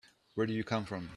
Where do you come from?